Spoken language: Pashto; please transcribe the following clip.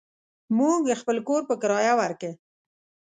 مو خپل کور په کريه وارکه.